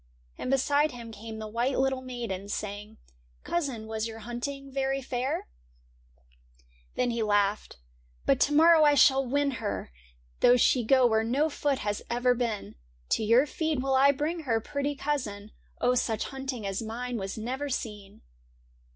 And beside him came the white little maiden. Saying, *■ Cousin, was your hunting very fair ?' Then he laughed. ' But to morrow I shall win her, Though she go where no foot has ever been. To your feet will I bring her, pretty cousin ; Oh, such hunting as mine was never seen